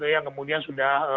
yang kemudian sudah